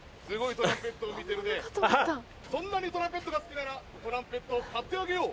そんなにトランペットが好きならトランペットを買ってあげよう。